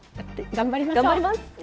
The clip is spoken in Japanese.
頑張ります！